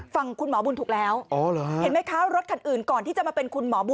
ฝั่งคุณหมอบุญถูกแล้ว